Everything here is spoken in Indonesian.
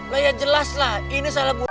lah ya jelas lah ini salah bu rante